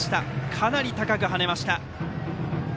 かなり高くはねました。